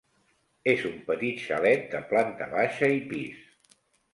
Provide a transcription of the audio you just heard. És un petit xalet de planta baixa i pis.